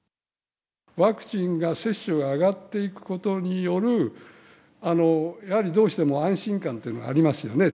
ワクチンが接種が上がっていくことによる、やはりどうしても安心感というものがありますよね。